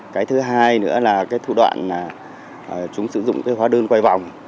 cái thứ hai nữa là thủ đoạn chúng sử dụng hóa đơn quay vòng